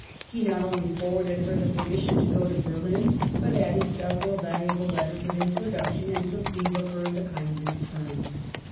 He not only forwarded her the permission to go to Berlin, but added several valuable letters of introduction, and took leave of her in the kindest terms.